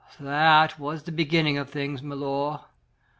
That was the beginning of things, milor.